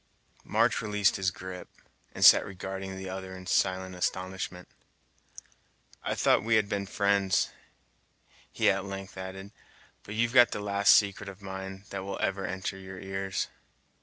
March released his grip, and sat regarding the other in silent astonishment. "I thought we had been friends," he at length added; "but you've got the last secret of mine that will ever enter your ears."